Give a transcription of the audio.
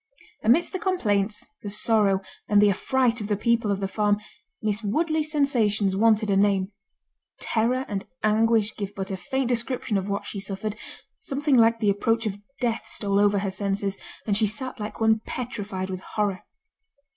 Amidst the complaints, the sorrow, and the affright of the people of the farm, Miss Woodley's sensations wanted a name—terror and anguish give but a faint description of what she suffered—something like the approach of death stole over her senses, and she sat like one petrified with horror.